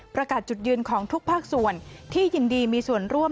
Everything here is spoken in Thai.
ประกาศจุดยืนของทุกภาคส่วนที่ยินดีมีส่วนร่วม